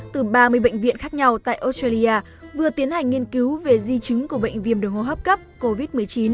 từ ba mươi bệnh viện khác nhau tại australia vừa tiến hành nghiên cứu về di chứng của bệnh viêm đường hô hấp cấp covid một mươi chín